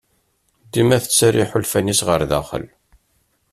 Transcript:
Dima tettarra iḥulfan-is ɣer daxel.